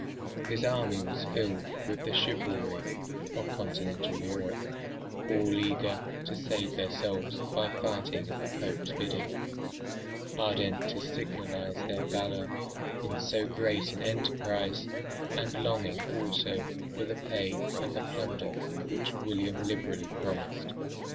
His army was filled with the chivalry of continental Europe, all eager to save their souls by fighting at the Pope's bidding, ardent to signalise their valour in so great an enterprise, and longing also for the pay and the plunder which William liberally promised.